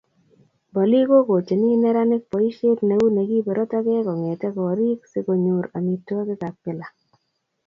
Boliik kokochini neranik boisiet neu nekiibe rotokek kongete korik si konyor amitwakikab kila